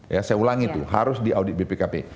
ya saya ulangi itu harus diaudit bpkp